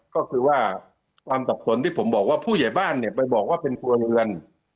ก็คือว่าความสับสนที่ผมบอกว่าผู้ใหญ่บ้านเนี่ยไปบอกว่าเป็นครัวเรือน